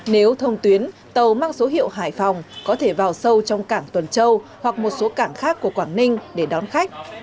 nếu thông tuyến tàu mang số hiệu hải phòng có thể vào sâu trong cảng tuần châu hoặc một số cảng khác của quảng ninh để đón khách